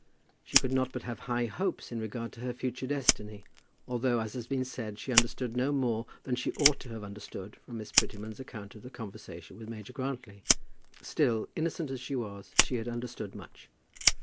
She could not but have high hopes in regard to her future destiny. Although, as has been said, she understood no more than she ought to have understood from Miss Prettyman's account of the conversation with Major Grantly, still, innocent as she was, she had understood much.